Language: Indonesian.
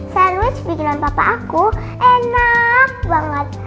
sandwich bikinan papa aku enak banget